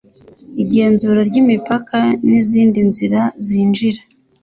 Igenzurwa ry imipaka n izindi nzira zinjira